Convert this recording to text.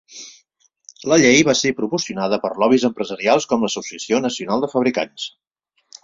La llei va ser promocionada per lobbies empresarials com l"Associació Nacional de Fabricants.